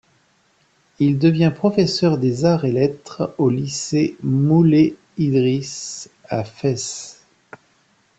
Il devient professeur des arts et lettres au lycée Moulay Idriss à Fès.